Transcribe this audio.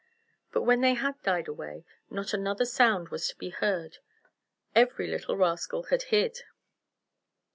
But when they had died away, not another sound was to be heard. Every little rascal had hid.